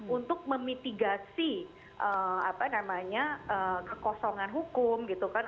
untuk memitigasi kekosongan hukum gitu kan